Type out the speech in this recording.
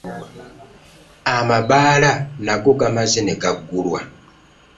Amabbaala nago gamazze negagulwa.